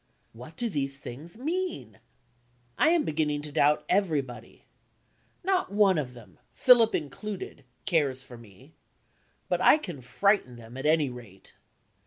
What do these things mean? I am beginning to doubt everybody. Not one of them, Philip included, cares for me but I can frighten them, at any rate.